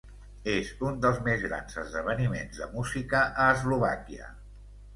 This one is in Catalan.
És un dels més grans esdeveniments de música a Eslovàquia.